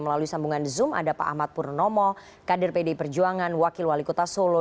melalui sambungan zoom ada pak ahmad purnomo kader pdi perjuangan wakil wali kota solo